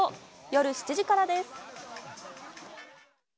夜７時からです。